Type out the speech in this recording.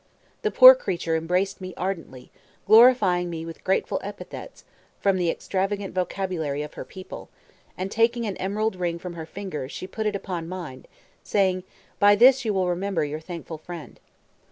The poor creature embraced me ardently, glorifying me with grateful epithets from the extravagant vocabulary of her people; and, taking an emerald ring from her finger, she put it upon mine, saying, "By this you will remember your thankful friend."